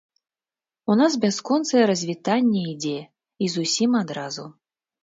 У нас бясконцае развітанне ідзе, і з усім адразу.